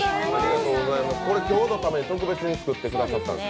これ、今日のために特別に作ってくださったんです。